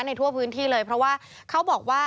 ทั่วพื้นที่เลยเพราะว่าเขาบอกว่า